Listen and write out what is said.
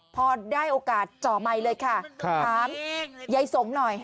พอได้โอกาสเจาะใหม่เลยค่ะท้ายอย่ายสงฆ์หน่อย